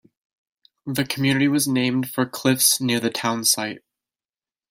The community was named for cliffs near the town site.